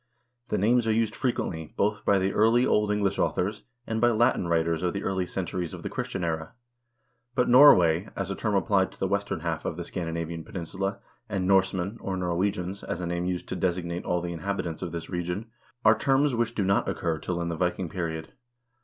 The names are used frequently both by early Old English authors and by Latin writers of the early centuries of the Christian era.1 But Norway, as a term applied to the western half of the Scandinavian peninsula, and Norsemen, or Norwegians, as a name used to designate all the inhabitants of this region, are terms which do not occur till in the Viking period.